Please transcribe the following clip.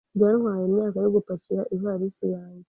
Byantwaye imyaka yo gupakira ivarisi yanjye.